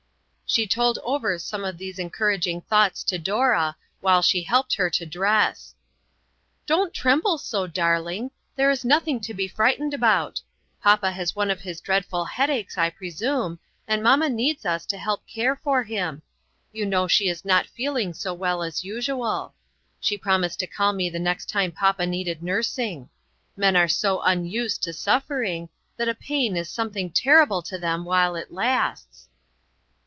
She told over some of these encouraging thoughts to Dora, while she helped her to dress :" Don't tremble so, darling ; there is noth ing to be frightened about. Papa has one of his dreadful headaches, I presume, and mamma needs us to help care for him. You know she is not feeling so well as usual. She promised to call me the next time papa needed nursing. Men are so unused to suf fering, that a pain is something terrible to them while it lasts."